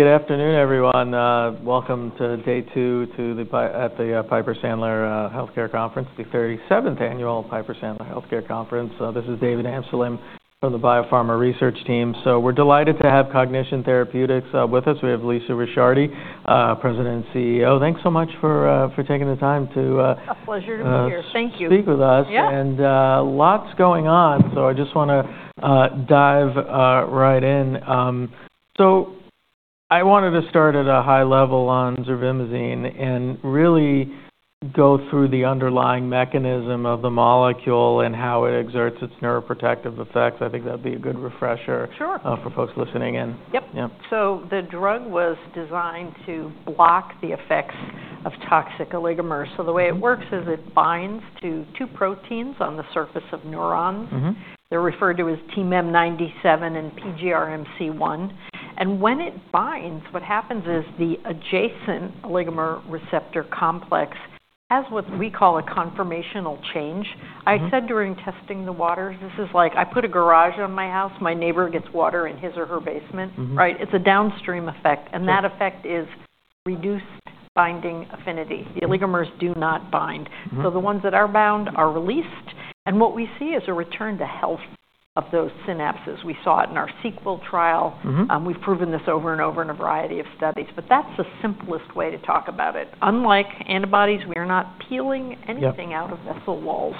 Good afternoon, everyone. Welcome to day two at the Piper Sandler Healthcare Conference, the 37th Annual Piper Sandler Healthcare Conference. This is David Amsellem from the biopharma research team. So we're delighted to have Cognition Therapeutics with us. We have Lisa Ricciardi, President and CEO. Thanks so much for taking the time to. A pleasure to be here. Thank you. Speak with us, and lots going on, so I just want to dive right in, so I wanted to start at a high level on CT1812 and really go through the underlying mechanism of the molecule and how it exerts its neuroprotective effects. I think that'd be a good refresher for folks listening in. Yep. So the drug was designed to block the effects of toxic oligomers. So the way it works is it binds to two proteins on the surface of neurons. They're referred to as TMEM97 and PGRMC1. And when it binds, what happens is the adjacent oligomer receptor complex has what we call a conformational change. I said during Testing the Waters, this is like I put a garage on my house, my neighbor gets water in his or her basement, right? It's a downstream effect. And that effect is reduced binding affinity. The oligomers do not bind. So the ones that are bound are released. And what we see is a return to health of those synapses. We saw it in our SEQUEL trial. We've proven this over and over in a variety of studies. But that's the simplest way to talk about it. Unlike antibodies, we are not peeling anything out of vessel walls.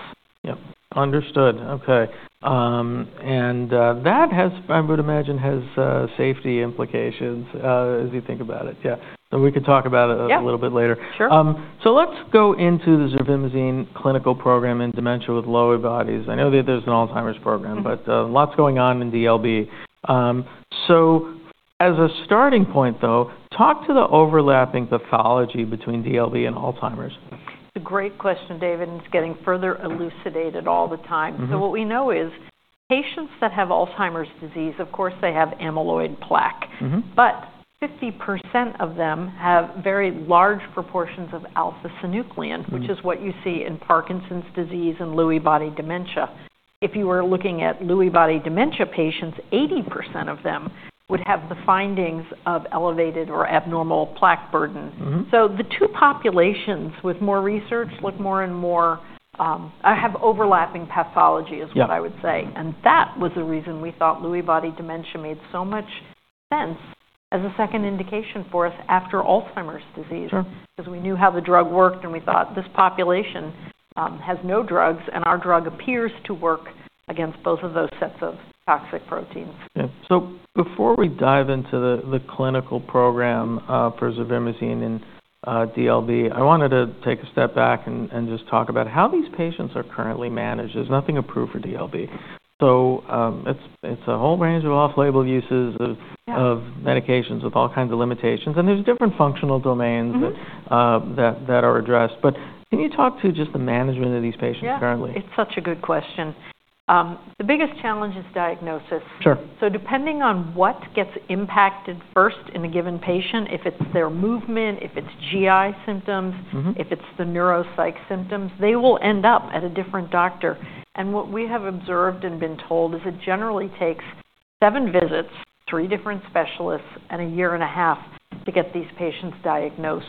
Yep. Understood. Okay. And that has, I would imagine, has safety implications as you think about it. Yeah. So we could talk about it a little bit later. So let's go into the CT1812 clinical program in dementia with Lewy bodies. I know that there's an Alzheimer's program, but lots going on in DLB. So as a starting point, though, talk to the overlapping pathology between DLB and Alzheimer's. It's a great question, David. And it's getting further elucidated all the time. So what we know is patients that have Alzheimer's disease, of course, they have amyloid plaque. But 50% of them have very large proportions of alpha-synuclein, which is what you see in Parkinson's disease and Lewy body dementia. If you were looking at Lewy body dementia patients, 80% of them would have the findings of elevated or abnormal plaque burden. So the two populations with more research look more and more have overlapping pathology is what I would say. And that was the reason we thought Lewy body dementia made so much sense as a second indication for us after Alzheimer's disease. Because we knew how the drug worked and we thought this population has no drugs and our drug appears to work against both of those sets of toxic proteins. Before we dive into the clinical program for CT1812 and DLB, I wanted to take a step back and just talk about how these patients are currently managed. There's nothing approved for DLB. It's a whole range of off-label uses of medications with all kinds of limitations. There's different functional domains that are addressed. But can you talk to just the management of these patients currently? Yeah. It's such a good question. The biggest challenge is diagnosis. So depending on what gets impacted first in a given patient, if it's their movement, if it's GI symptoms, if it's the neuropsych symptoms, they will end up at a different doctor. And what we have observed and been told is it generally takes seven visits, three different specialists, and a year and a half to get these patients diagnosed.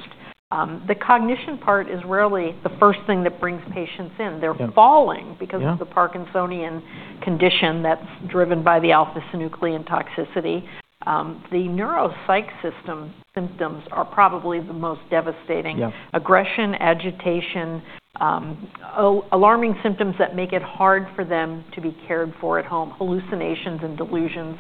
The cognition part is rarely the first thing that brings patients in. They're falling because of the Parkinsonian condition that's driven by the alpha-synuclein toxicity. The neuropsych symptoms are probably the most devastating. Aggression, agitation, alarming symptoms that make it hard for them to be cared for at home, hallucinations and delusions.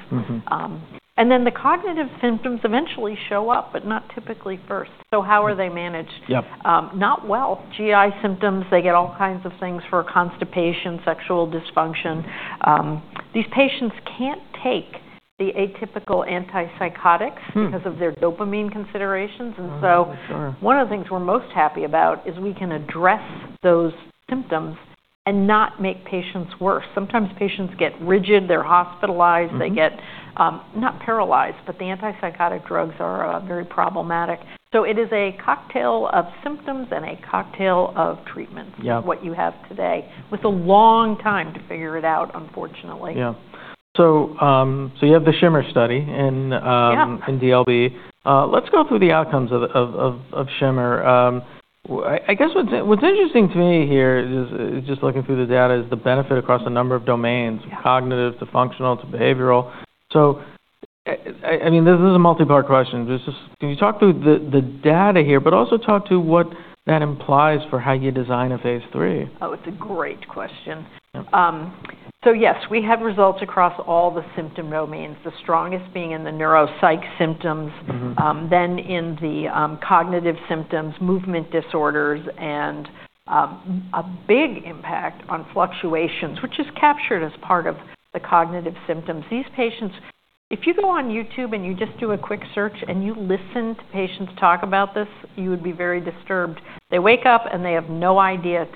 And then the cognitive symptoms eventually show up, but not typically first. So how are they managed? Not well. GI symptoms, they get all kinds of things for constipation, sexual dysfunction. These patients can't take the atypical antipsychotics because of their dopamine considerations. And so one of the things we're most happy about is we can address those symptoms and not make patients worse. Sometimes patients get rigid, they're hospitalized, they get not paralyzed, but the antipsychotic drugs are very problematic. So it is a cocktail of symptoms and a cocktail of treatments, what you have today, with a long time to figure it out, unfortunately. Yeah. So you have the SHIMMER study in DLB. Let's go through the outcomes of SHIMMER. I guess what's interesting to me here, just looking through the data, is the benefit across a number of domains, cognitive to functional to behavioral. So I mean, this is a multi-part question. Can you talk through the data here, but also talk to what that implies for how you design a Phase 3? Oh, it's a great question. So yes, we have results across all the symptom domains, the strongest being in the neuropsych symptoms, then in the cognitive symptoms, movement disorders, and a big impact on fluctuations, which is captured as part of the cognitive symptoms. These patients, if you go on YouTube and you just do a quick search and you listen to patients talk about this, you would be very disturbed. They wake up and they have no idea, is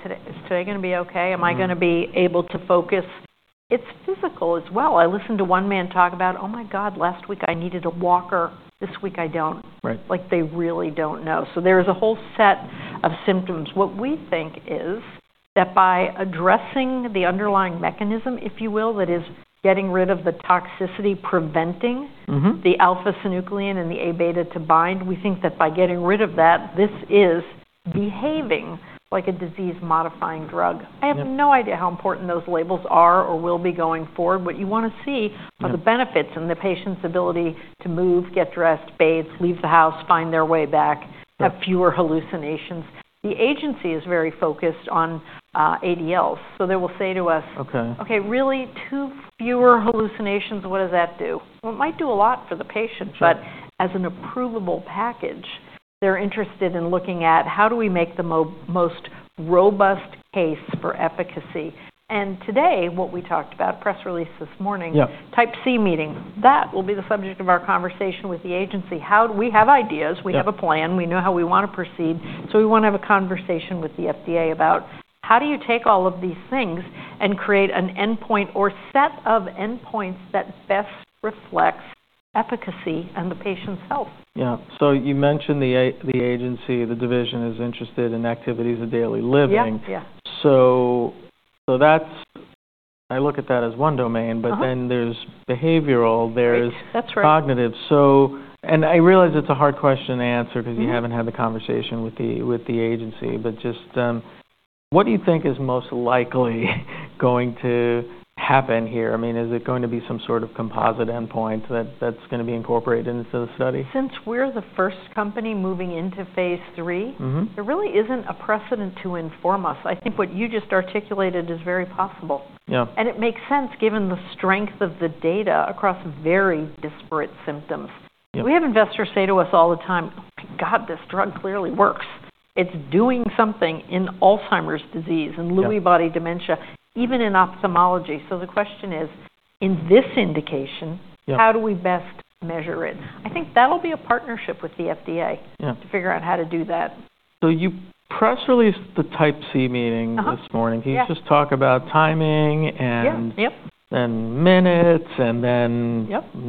today going to be okay? Am I going to be able to focus? It's physical as well. I listened to one man talk about, "Oh my God, last week I needed a walker. This week I don't." Like they really don't know. So there is a whole set of symptoms. What we think is that by addressing the underlying mechanism, if you will, that is getting rid of the toxicity preventing the alpha-synuclein and the A-beta to bind, we think that by getting rid of that, this is behaving like a disease-modifying drug. I have no idea how important those labels are or will be going forward, but you want to see the benefits in the patient's ability to move, get dressed, bathe, leave the house, find their way back, have fewer hallucinations. The agency is very focused on ADLs. So they will say to us, "Okay, really two fewer hallucinations, what does that do?" Well, it might do a lot for the patient, but as an approvable package, they're interested in looking at how do we make the most robust case for efficacy. Today, what we talked about, press release this morning, Type C meeting, that will be the subject of our conversation with the agency. We have ideas, we have a plan, we know how we want to proceed. We want to have a conversation with the FDA about how do you take all of these things and create an endpoint or set of endpoints that best reflects efficacy and the patient's health. Yeah. So you mentioned the agency, the division is interested in activities of daily living. So I look at that as one domain, but then there's behavioral, there's cognitive. And I realize it's a hard question to answer because you haven't had the conversation with the agency, but just what do you think is most likely going to happen here? I mean, is it going to be some sort of composite endpoint that's going to be incorporated into the study? Since we're the first company moving into Phase 3, there really isn't a precedent to inform us. I think what you just articulated is very possible. It makes sense given the strength of the data across very disparate symptoms. We have investors say to us all the time, "Oh my God, this drug clearly works." It's doing something in Alzheimer's disease and Lewy body dementia, even in ophthalmology. The question is, in this indication, how do we best measure it? I think that'll be a partnership with the FDA to figure out how to do that. So you press released the Type C meeting this morning. Can you just talk about timing and minutes and then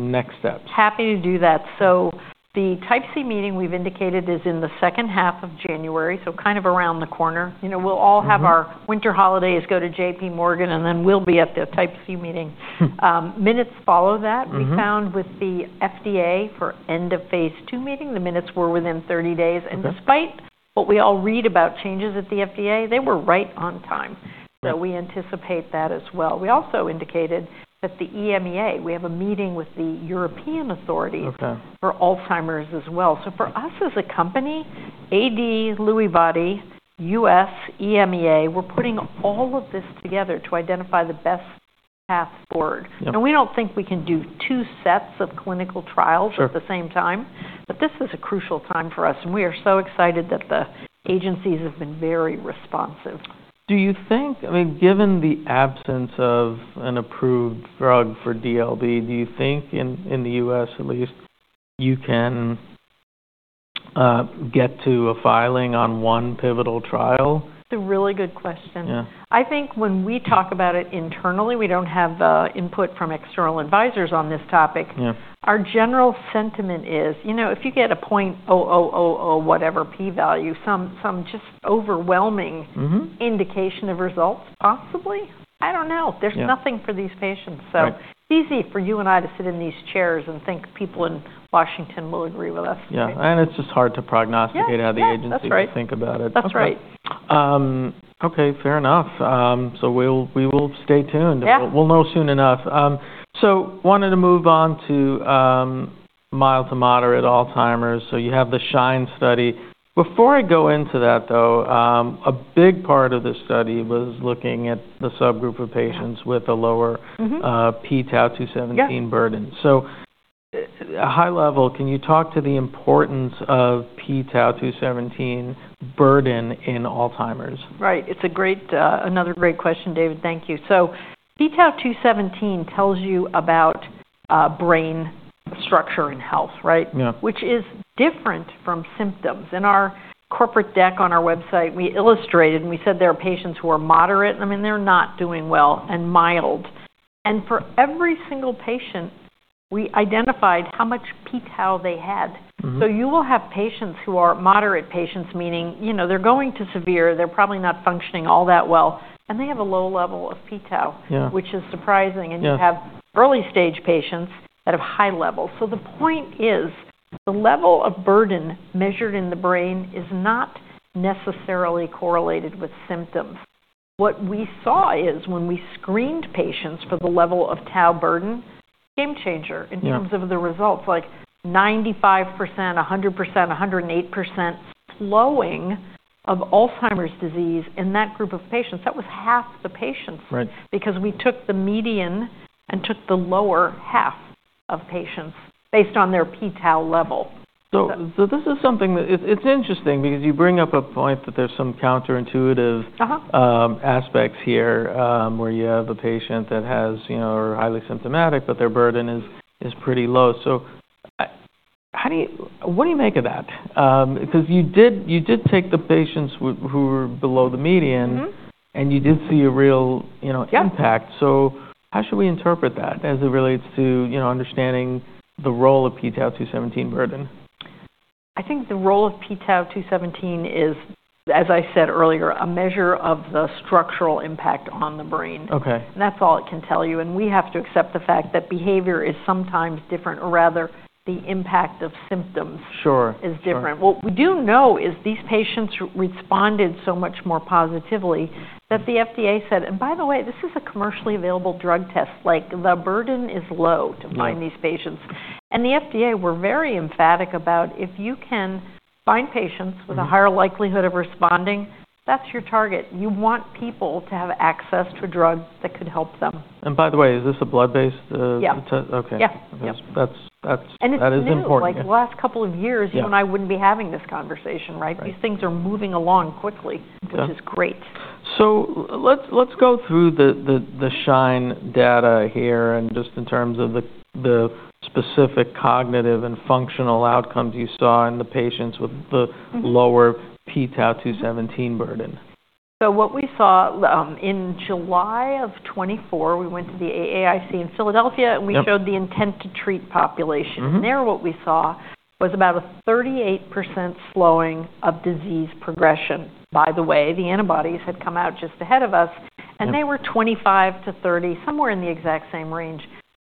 next steps? Happy to do that. So the Type C meeting we've indicated is in the second half of January, so kind of around the corner. We'll all have our winter holidays, go to J.P. Morgan, and then we'll be at the Type C meeting. Minutes follow that. We found with the FDA for End-of-Phase 2 meeting, the minutes were within 30 days. And despite what we all read about changes at the FDA, they were right on time. So we anticipate that as well. We also indicated that the EMEA, we have a meeting with the European authority for Alzheimer's as well. So for us as a company, AD, Lewy body, U.S., EMEA, we're putting all of this together to identify the best path forward. And we don't think we can do two sets of clinical trials at the same time, but this is a crucial time for us. We are so excited that the agencies have been very responsive. Do you think, I mean, given the absence of an approved drug for DLB, do you think in the U.S. at least you can get to a filing on one pivotal trial? That's a really good question. I think when we talk about it internally, we don't have input from external advisors on this topic. Our general sentiment is, you know, if you get a 0.0000 whatever p-value, some just overwhelming indication of results, possibly. I don't know. There's nothing for these patients. So it's easy for you and I to sit in these chairs and think people in Washington will agree with us. Yeah, and it's just hard to prognosticate how the agency would think about it. That's right. Okay. Fair enough. So we will stay tuned. We'll know soon enough. So wanted to move on to mild to moderate Alzheimer's. So you have the SHINE study. Before I go into that, though, a big part of the study was looking at the subgroup of patients with a lower p-tau217 burden. So at a high level, can you talk to the importance of p-tau217 burden in Alzheimer's? Right. It's another great question, David. Thank you. So p-tau217 tells you about brain structure and health, right? Which is different from symptoms. In our corporate deck on our website, we illustrated and we said there are patients who are moderate. I mean, they're not doing well and mild. And for every single patient, we identified how much p-tau they had. So you will have patients who are moderate patients, meaning they're going to severe, they're probably not functioning all that well, and they have a low level of p-tau, which is surprising. And you have early-stage patients that have high levels. So the point is the level of burden measured in the brain is not necessarily correlated with symptoms. What we saw is, when we screened patients for the level of tau burden, game changer in terms of the results, like 95%, 100%, 108% slowing of Alzheimer's disease in that group of patients. That was half the patients. Because we took the median and took the lower half of patients based on their p-tau level. So this is something that it's interesting because you bring up a point that there's some counterintuitive aspects here where you have a patient that has or highly symptomatic, but their burden is pretty low. So what do you make of that? Because you did take the patients who were below the median and you did see a real impact. So how should we interpret that as it relates to understanding the role of p-tau217 burden? I think the role of p-tau217 is, as I said earlier, a measure of the structural impact on the brain. And that's all it can tell you. And we have to accept the fact that behavior is sometimes different, or rather the impact of symptoms is different. What we do know is these patients responded so much more positively that the FDA said, "And by the way, this is a commercially available blood test. Like the burden is low to find these patients." And the FDA were very emphatic about if you can find patients with a higher likelihood of responding, that's your target. You want people to have access to a drug that could help them. By the way, is this a blood-based test? Yeah. Okay. That's important. And it seems like the last couple of years, you and I wouldn't be having this conversation, right? These things are moving along quickly, which is great. Let's go through the SHINE data here and just in terms of the specific cognitive and functional outcomes you saw in the patients with the lower p-tau217 burden. What we saw in July of 2024, we went to the AAIC in Philadelphia and we showed the intent-to-treat population. There what we saw was about a 38% slowing of disease progression. By the way, the antibodies had come out just ahead of us and they were 25%-30%, somewhere in the exact same range.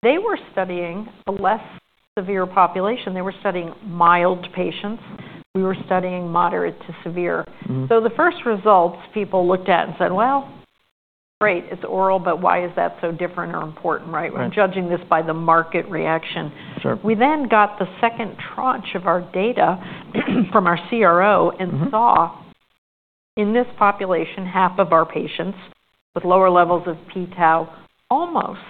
They were studying a less severe population. They were studying mild patients. We were studying moderate to severe. The first results people looked at and said, "Well, great, it's oral, but why is that so different or important?" Right? We're judging this by the market reaction. We then got the second tranche of our data from our CRO and saw in this population, half of our patients with lower levels of p-tau, almost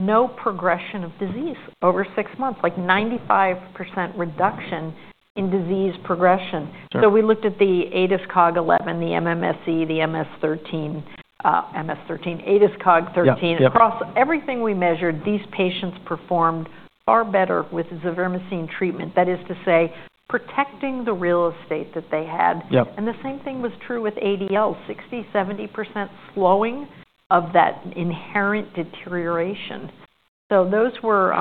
no progression of disease over six months, like 95% reduction in disease progression. So we looked at the ADAS-Cog-11, the MMSE, the ADAS-Cog-13, ADAS-Cog-13. Across everything we measured, these patients performed far better with CT1812 treatment. That is to say, protecting the real estate that they had. And the same thing was true with ADL, 60%, 70% slowing of that inherent deterioration. So those were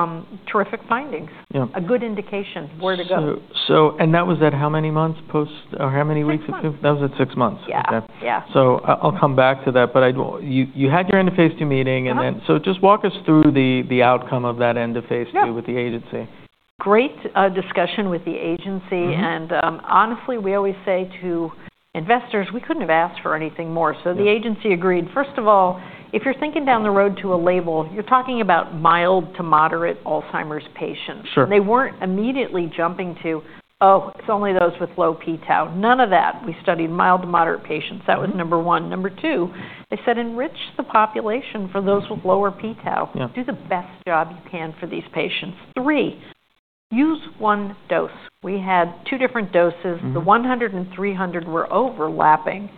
terrific findings. A good indication where to go. And that was at how many months post or how many weeks? That was at six months. Yeah. So I'll come back to that, but you had your End-of-Phase 2 meeting and then so just walk us through the outcome of that End-of-Phase 2 with the agency. Great discussion with the agency, and honestly, we always say to investors, we couldn't have asked for anything more, so the agency agreed. First of all, if you're thinking down the road to a label, you're talking about mild to moderate Alzheimer's patients, and they weren't immediately jumping to, "Oh, it's only those with low p-tau." None of that. We studied mild to moderate patients. That was number one. Number two, they said, "Enrich the population for those with lower p-tau. Do the best job you can for these patients." Three, use one dose. We had two different doses. The 100 and 300 were overlapping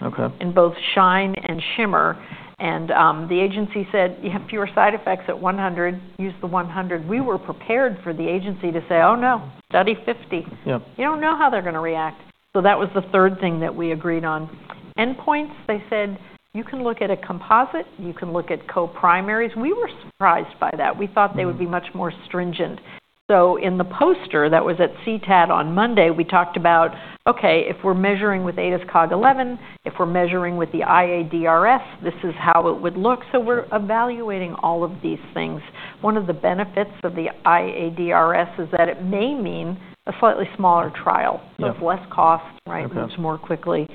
in both SHINE and SHIMMER, and the agency said, "You have fewer side effects at 100. Use the 100." We were prepared for the agency to say, "Oh no, study 50. You don't know how they're going to react." So that was the third thing that we agreed on. Endpoints, they said, "You can look at a composite. You can look at co-primaries." We were surprised by that. We thought they would be much more stringent. So in the poster that was at CTAD on Monday, we talked about, "Okay, if we're measuring with ADAS-Cog-11, if we're measuring with the iADRS, this is how it would look." So we're evaluating all of these things. One of the benefits of the iADRS is that it may mean a slightly smaller trial. So it's less cost, it moves more quickly.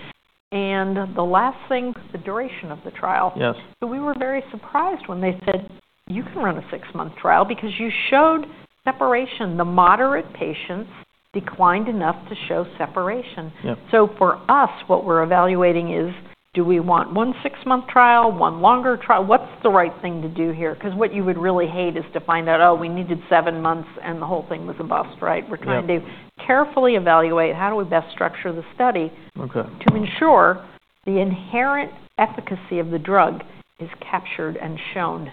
And the last thing, the duration of the trial. So we were very surprised when they said, "You can run a six-month trial because you showed separation. The moderate patients declined enough to show separation." So for us, what we're evaluating is, do we want one six-month trial, one longer trial? What's the right thing to do here? Because what you would really hate is to find out, "Oh, we needed seven months and the whole thing was a bust," right? We're trying to carefully evaluate how do we best structure the study to ensure the inherent efficacy of the drug is captured and shown.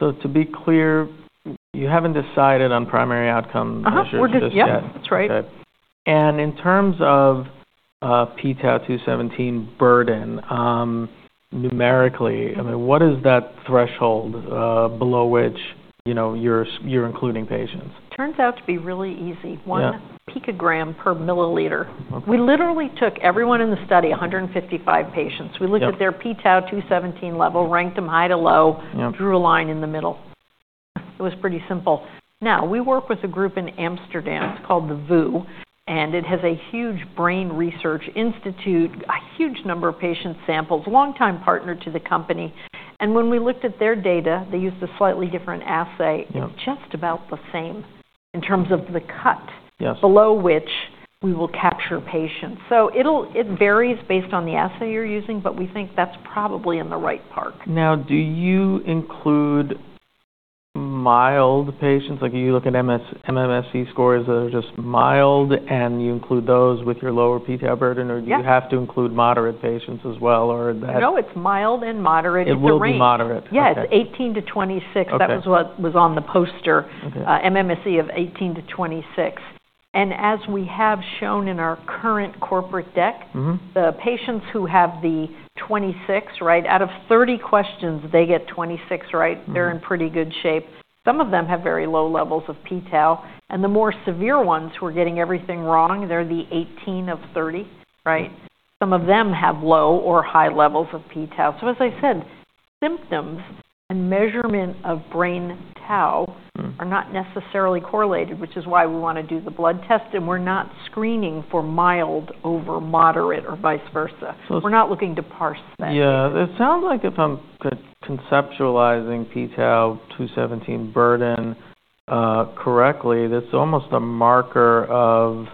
So to be clear, you haven't decided on primary outcome measures just yet. That's right. In terms of p-tau217 burden, numerically, I mean, what is that threshold below which you're including patients? Turns out to be really easy. One picogram per milliliter. We literally took everyone in the study, 155 patients. We looked at their p-tau217 level, ranked them high to low, drew a line in the middle. It was pretty simple. Now, we work with a group in Amsterdam. It's called the VU. And it has a huge brain research institute, a huge number of patient samples, long-time partner to the company. And when we looked at their data, they used a slightly different assay. It's just about the same in terms of the cut below which we will capture patients. So it varies based on the assay you're using, but we think that's probably in the right ballpark. Now, do you include mild patients? Like you look at MMSE scores that are just mild and you include those with your lower p-tau burden, or do you have to include moderate patients as well, or that? No, it's mild and moderate in the range. It would be moderate. Yes, 18 to 26. That was what was on the poster. MMSE of 18 to 26. And as we have shown in our current corporate deck, the patients who have the 26, right? Out of 30 questions, they get 26, right? They're in pretty good shape. Some of them have very low levels of p-tau. And the more severe ones who are getting everything wrong, they're the 18 of 30, right? Some of them have low or high levels of p-tau. So as I said, symptoms and measurement of brain tau are not necessarily correlated, which is why we want to do the blood test. And we're not screening for mild over moderate or vice versa. We're not looking to parse that. Yeah. It sounds like if I'm conceptualizing p-tau217 burden correctly, that's almost a marker of,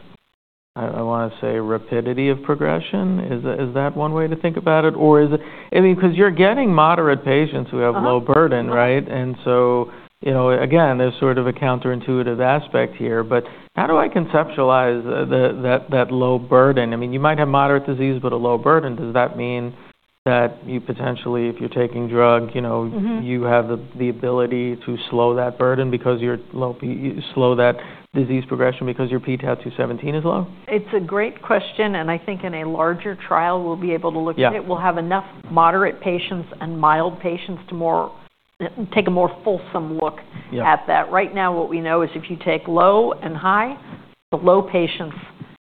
I want to say, rapidity of progression. Is that one way to think about it? Or is it, I mean, because you're getting moderate patients who have low burden, right? And so again, there's sort of a counterintuitive aspect here. But how do I conceptualize that low burden? I mean, you might have moderate disease, but a low burden. Does that mean that you potentially, if you're taking drug, you have the ability to slow that burden because you slow that disease progression because your p-tau217 is low? It's a great question, and I think in a larger trial, we'll be able to look at it. We'll have enough moderate patients and mild patients to take a more fulsome look at that. Right now, what we know is if you take low and high, the low patients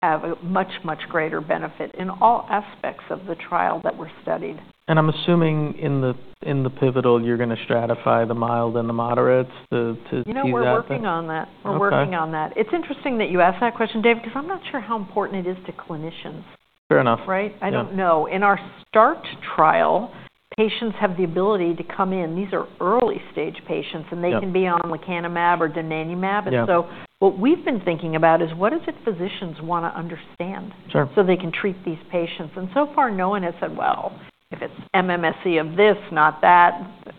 have a much, much greater benefit in all aspects of the trial that we're studying. I'm assuming in the pivotal, you're going to stratify the mild and the moderates to. You know, we're working on that. We're working on that. It's interesting that you asked that question, David, because I'm not sure how important it is to clinicians. Fair enough. Right? I don't know. In our START trial, patients have the ability to come in. These are early-stage patients and they can be on lecanemab or donanemab. And so what we've been thinking about is what is it physicians want to understand so they can treat these patients? And so far, no one has said, "Well, if it's MMSE of this, not that."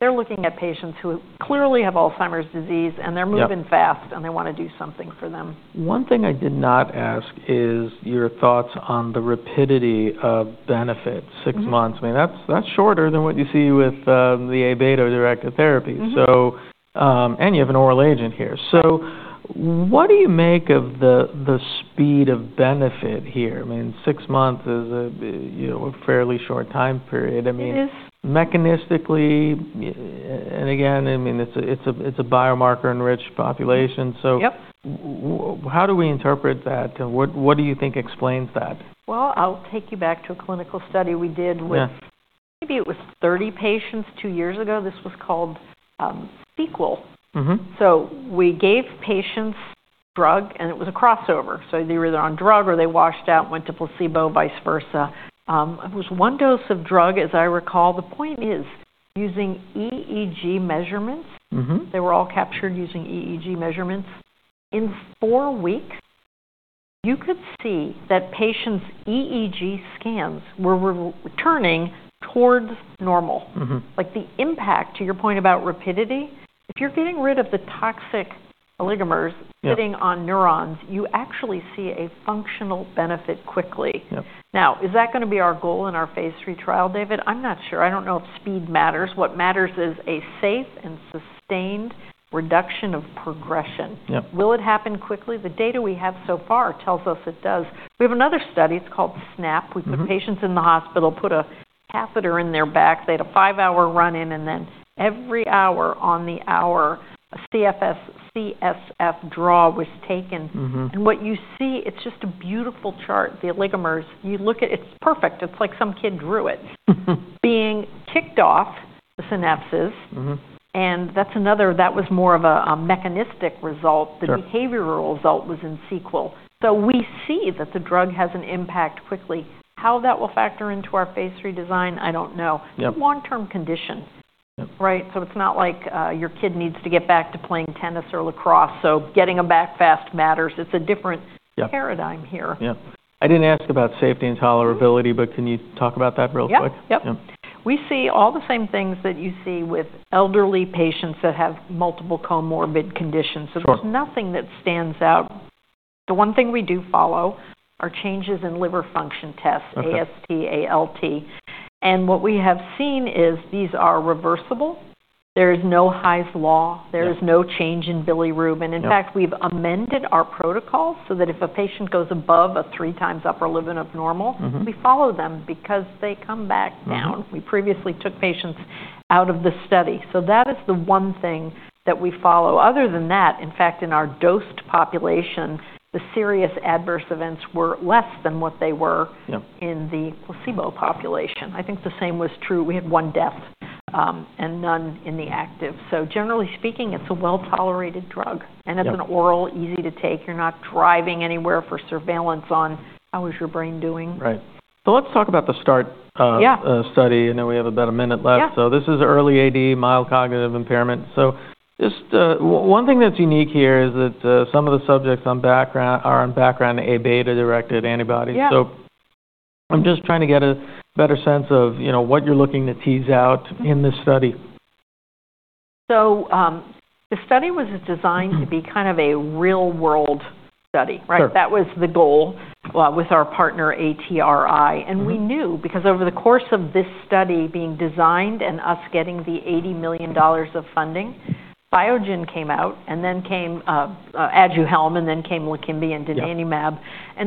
They're looking at patients who clearly have Alzheimer's disease and they're moving fast and they want to do something for them. One thing I did not ask is your thoughts on the rapidity of benefits, six months. I mean, that's shorter than what you see with the Aβ-directed therapy. And you have an oral agent here. So what do you make of the speed of benefit here? I mean, six months is a fairly short time period. I mean, mechanistically, and again, I mean, it's a biomarker-enriched population. So how do we interpret that? What do you think explains that? I'll take you back to a clinical study we did with maybe it was 30 patients two years ago. This was called SEQUEL. So we gave patients drug and it was a crossover. So they were either on drug or they washed out, went to placebo, vice versa. It was one dose of drug, as I recall. The point is using EEG measurements. They were all captured using EEG measurements. In four weeks, you could see that patients' EEG scans were returning towards normal. Like the impact, to your point about rapidity, if you're getting rid of the toxic oligomers sitting on neurons, you actually see a functional benefit quickly. Now, is that going to be our goal in our Phase 3 trial, David? I'm not sure. I don't know if speed matters. What matters is a safe and sustained reduction of progression. Will it happen quickly? The data we have so far tells us it does. We have another study. It's called SNAP. We put patients in the hospital, put a catheter in their back. They had a five-hour run in and then every hour on the hour, a CSF draw was taken. And what you see, it's just a beautiful chart. The oligomers, you look at it, it's perfect. It's like some kid drew it. Being kicked off the synapses. And that's another, that was more of a mechanistic result. The behavioral result was in SEQUEL. So we see that the drug has an impact quickly. How that will factor into our Phase 3 design, I don't know. But long-term condition, right? So it's not like your kid needs to get back to playing tennis or lacrosse. So getting them back fast matters. It's a different paradigm here. Yeah. I didn't ask about safety and tolerability, but can you talk about that real quick? Yeah. We see all the same things that you see with elderly patients that have multiple comorbid conditions. So there's nothing that stands out. The one thing we do follow are changes in liver function tests, AST, ALT. And what we have seen is these are reversible. There is no Hy's Law. There is no change in bilirubin. In fact, we've amended our protocol so that if a patient goes above a three times upper limit of normal, we follow them because they come back down. We previously took patients out of the study. So that is the one thing that we follow. Other than that, in fact, in our dosed population, the serious adverse events were less than what they were in the placebo population. I think the same was true. We had one death and none in the active. So generally speaking, it's a well-tolerated drug. It's an oral, easy to take. You're not driving anywhere for surveillance on how is your brain doing. Right. So let's talk about the START study. I know we have about a minute left. So this is early AD, mild cognitive impairment. So just one thing that's unique here is that some of the subjects are on background Aβ-directed antibodies. So I'm just trying to get a better sense of what you're looking to tease out in this study. The study was designed to be kind of a real-world study, right? That was the goal with our partner ATRI. We knew because over the course of this study being designed and us getting the $80 million of funding, Biogen came out and then came Aduhelm and then came Leqembi and donanemab.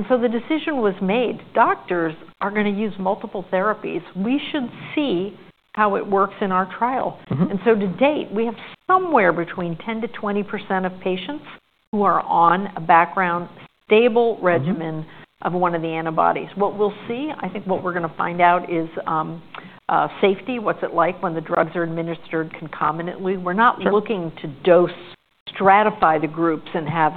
The decision was made. Doctors are going to use multiple therapies. We should see how it works in our trial. To date, we have somewhere between 10% to 20% of patients who are on a background stable regimen of one of the antibodies. What we'll see, I think what we're going to find out is safety, what's it like when the drugs are administered concomitantly. We're not looking to dose, stratify the groups and have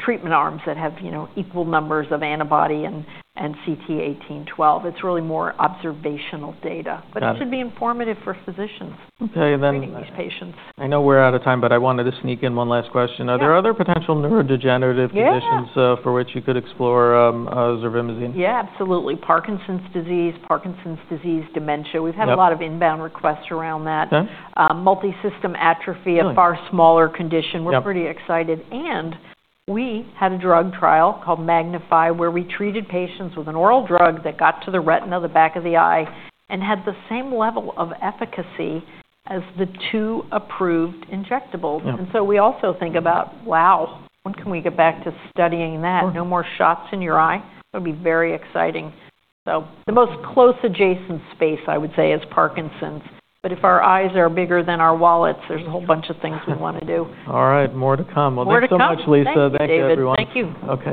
treatment arms that have equal numbers of antibody and CT1812. It's really more observational data. But it should be informative for physicians treating these patients. I know we're out of time, but I wanted to sneak in one last question. Are there other potential neurodegenerative conditions for which you could explore CT1812? Yeah, absolutely. Parkinson's disease dementia. We've had a lot of inbound requests around that. Multisystem atrophy, a far smaller condition. We're pretty excited, and we had a drug trial called MAGNIFY where we treated patients with an oral drug that got to the retina, the back of the eye, and had the same level of efficacy as the two approved injectables. And so we also think about, wow, when can we get back to studying that? No more shots in your eye. It'll be very exciting. The most close adjacent space, I would say, is Parkinson's. But if our eyes are bigger than our wallets, there's a whole bunch of things we want to do. All right. More to come. Well, thanks so much, Lisa. Thank you, everyone. Thank you.